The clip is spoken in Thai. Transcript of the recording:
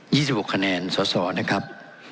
ี่สิบหกคะแนนสอสอนะครับ